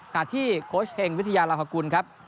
ถ้าที่โคชเฮงวิทยาลักษณ์คุณครับ